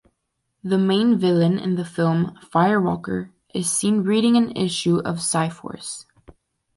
The main villain in the film "Firewalker" is seen reading an issue of Psi-Force.